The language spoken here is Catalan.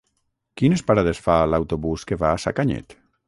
Quines parades fa l'autobús que va a Sacanyet?